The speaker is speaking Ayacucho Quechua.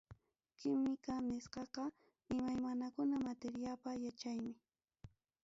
Química nisqaqa imayaykuna materiapa yachaymi.